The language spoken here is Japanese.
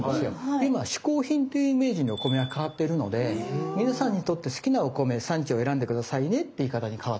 で今嗜好品ってイメージにお米が変わってるので皆さんにとって好きなお米産地を選んで下さいねって言い方に変わっています。